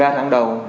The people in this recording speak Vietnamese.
hai mươi ba tháng đầu